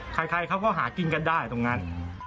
ใครเขาก็หากินกันได้ตรงนั้น